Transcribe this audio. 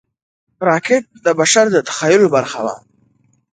راکټ د بشر د تخیل برخه وه